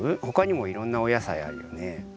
ほかにもいろんなおやさいあるよね。